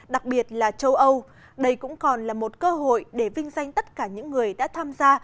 đặc biệt là châu âu đây cũng còn là một cơ hội để vinh danh tất cả những người đã tham gia